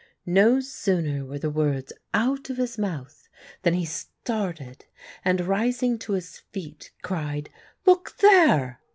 No sooner were the words out of his mouth than he started, and rising to his feet, cried: "Look there!"